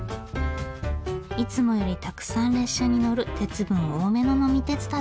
いつもよりたくさん列車に乗る鉄分多めの呑み鉄旅です。